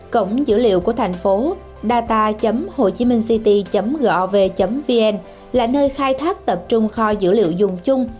cổng dữ liệu của thành phố data hochiminhcity gov vn là nơi khai thác tập trung kho dữ liệu dùng chung